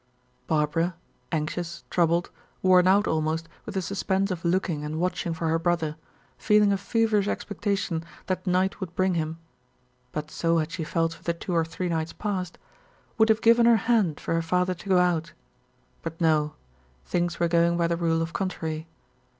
Barbara, anxious, troubled, worn out almost with the suspense of looking and watching for her brother, feeling a feverish expectation that night would bring him but so had she felt for the two or three nights past would have given her hand for her father to go out. But no things were going by the rule of contrary.